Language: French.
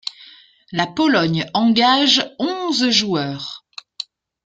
La Pologne engage onze joueurs.